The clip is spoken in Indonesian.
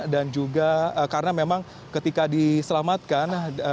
dan juga karena memang ketika diselamatkan